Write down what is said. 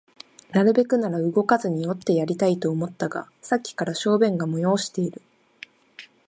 なるべくなら動かずにおってやりたいと思ったが、さっきから小便が催している